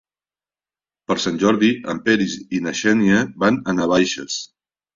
Per Sant Jordi en Peris i na Xènia van a Navaixes.